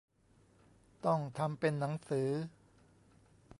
ต้องทำเป็นหนังสือ